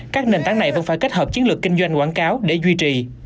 các nền tảng này vẫn phải kết hợp chiến lược kinh doanh quảng cáo để duy trì